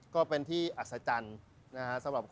ก็เป็นที่อัศจรรย์นะฮะ